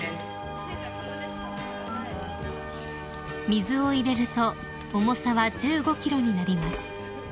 ［水を入れると重さは１５ｋｇになります］